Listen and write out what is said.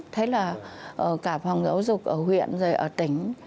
thấy là cả phòng giáo dục ở huyện rồi ở tỉnh